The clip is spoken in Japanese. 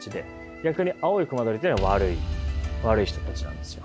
逆に青い隈取というのは悪い悪い人たちなんですよ。